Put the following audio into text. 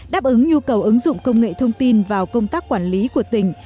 đáp ứng nhu cầu ứng dụng công nghệ thông tin vào công tác quản lý của tỉnh